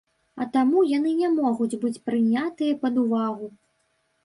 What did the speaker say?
А таму яны не могуць быць прынятыя пад увагу.